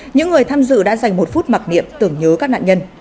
những người tham dự đã dành một phút mặc niệm tưởng nhớ các nạn nhân